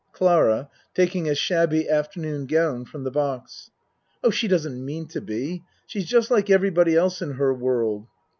CLARA (Taking a shabby afternoon gown from the box.) Oh, she doesn't mean to be. She's just like everybody else in her world.